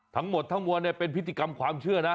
ทั้งหมดทั้งมวลเป็นพิธีกรรมความเชื่อนะ